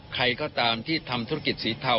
ใครก็ตามที่ทำธุรกิจสีเทา